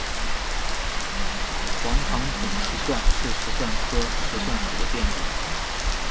黄长筒石蒜是石蒜科石蒜属的变种。